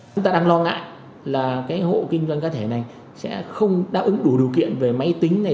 chúng ta đang lo ngại là cái hộ kinh doanh cá thể này sẽ không đáp ứng đủ điều kiện về máy tính này